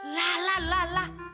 lah lah lah lah